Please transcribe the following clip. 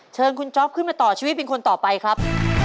เชิญคุณจ๊อปขึ้นมาต่อชีวิตเป็นคนต่อไปครับ